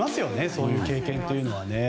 そういう経験というのはね。